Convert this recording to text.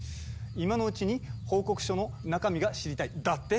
「今のうちに報告書の中身が知りたい」だって？